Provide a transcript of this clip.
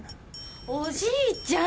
おじいちゃん！